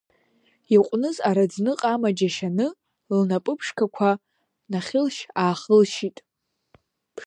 Иҟәныз араӡны ҟама џьашьаны, лнапы ԥшқақәа нахьылшь-аахьылшьит.